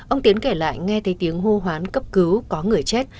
ông tiến kể lại nghe thấy tiếng hô hoán cấp cứu có người chết